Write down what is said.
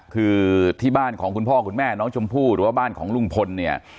คือที่บ้านของคุณพ่อคุณแม่น้องชมพู่หรือว่าบ้านของลุงพลเนี่ย